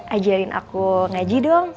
ajarin aku ngaji dong